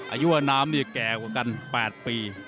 อายุว่าน้ำเนี่ยแก่กว่ากัน๘ปี